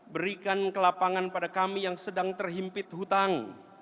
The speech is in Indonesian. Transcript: berikan kelapangan pada kami yang sedang terhimpit hutang